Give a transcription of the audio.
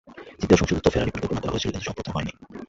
তৃতীয় সংশোধিত ফেরারি পরিকল্পনা করা হয়েছিল কিন্তু সম্পন্ন হয়নি।